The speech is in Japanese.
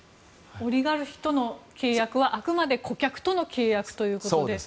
オリガルヒとの契約はあくまで顧客との契約ということで。